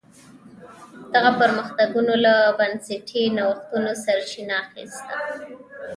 دغه پرمختګونو له بنسټي نوښتونو سرچینه اخیسته.